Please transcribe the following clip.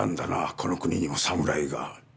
この国にも侍が。